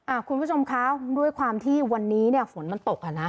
คุณผู้ชมคะด้วยความที่วันนี้เนี่ยฝนมันตกอ่ะนะ